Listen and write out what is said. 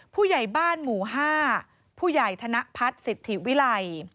ผู้ใหญ่บ้านหมู่๕ผู้ใหญ่ธนพัฒน์สิทธิวิลัย